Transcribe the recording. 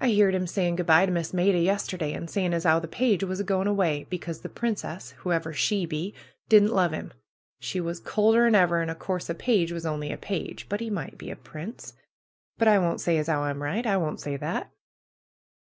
"I heerd 'im saying good by to Miss Maida yester day, and saying as 'ow the page was a going away, becos the princess, whoever she be, didn't love 'im; she was colder'n ever, an' o' course a page was only a page, but PRUE'S GARDENER 209 he might be a prince. But I won^t say as 'ow I'm right. I won't say that!"